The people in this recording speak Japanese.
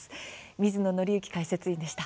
水野倫之解説委員でした。